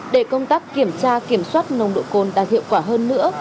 để công tác kiểm tra kiểm soát nồng độ cồn đạt hiệu quả hơn nữa